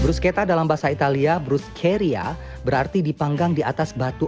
bruschetta dalam bahasa italia bruscheria berarti dipanggang di atas batu